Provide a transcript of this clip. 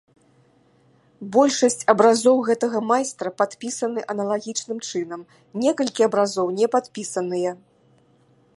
Большасць абразоў гэтага майстра падпісаны аналагічным чынам, некалькі абразоў не падпісаныя.